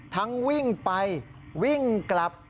วิ่งไปวิ่งกลับ